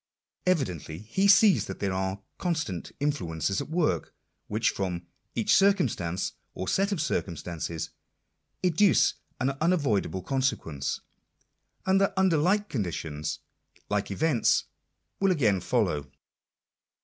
Evidently he Digitized by VjOOQIC 42 INTRODUCTION. sees that there are constant influences at work, which, from each circumstance, or set of circumstances, educe an unavoid able consequence ; and that under like conditions like events will again follow.